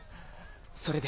それで？